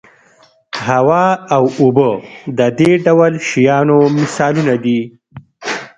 هوا او اوبه د دې ډول شیانو مثالونه دي.